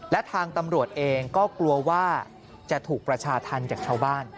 และทางตำรวจเองก็กลัวว่าจะถูกประชาธรรมจากชาวบ้าน